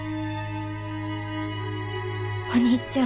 お兄ちゃん。